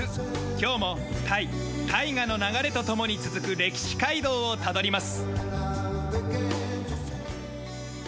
今日もタイ大河の流れと共に続く歴史街道をたどります。